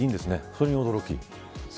それに驚き。